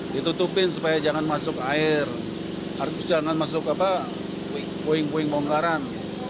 ditutupin supaya jangan masuk air harus jangan masuk puing puing bongkaran